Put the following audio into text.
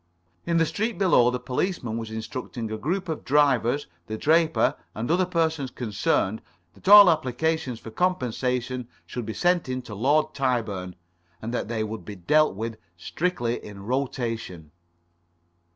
In the street below the policeman was instructing a group of drivers, the draper, and other persons concerned, that all applications for compensation should be sent in to Lord Tyburn, and that they would be dealt with strictly in rotation.